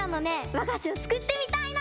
わがしをつくってみたいの！